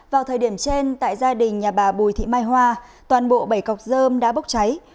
vào thời điểm trên tại gia đình nhà bà bùi thị mai hoa toàn bộ bảy cọc dơm đã bốc cháy